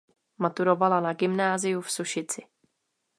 Maturovala na gymnáziu v Sušici.